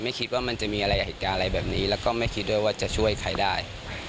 ไม่คิดว่ามันจะมีอะไรกับเหตุการณ์อะไรแบบนี้แล้วก็ไม่คิดด้วยว่าจะช่วยใครได้